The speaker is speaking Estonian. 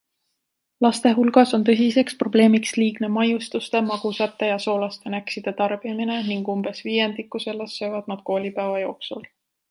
Laste hulgas on tõsiseks probleemiks liigne maiustuste, magusate ja soolaste näkside tarbimine ning umbes viiendiku sellest söövad nad koolipäeva jooksul.